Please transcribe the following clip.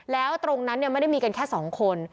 แล้วตรงนั้นไม่ได้มีกันแค่๒คน